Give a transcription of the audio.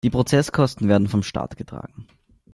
Die Prozesskosten werden vom Staat getragen.